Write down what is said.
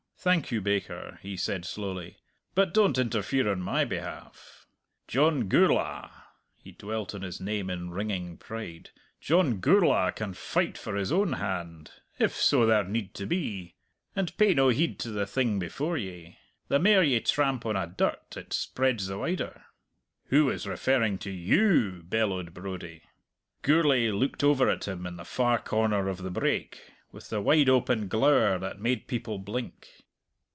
"Thank you, baker," he said slowly. "But don't interfere on my behalf! John Gourla" he dwelt on his name in ringing pride "John Gourla can fight for his own hand if so there need to be. And pay no heed to the thing before ye. The mair ye tramp on a dirt it spreads the wider!" "Who was referring to you?" bellowed Brodie. Gourlay looked over at him in the far corner of the brake, with the wide open glower that made people blink.